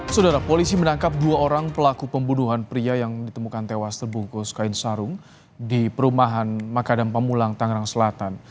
saudara polisi menangkap dua orang pelaku pembunuhan pria yang ditemukan tewas terbungkus kain sarung di perumahan makadam pemulang tangerang selatan